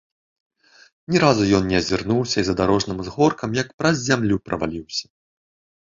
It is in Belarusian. Ні разу ён не азірнуўся і за дарожным узгоркам як праз зямлю праваліўся.